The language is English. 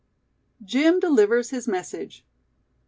JIM DELIVERS HIS MESSAGE.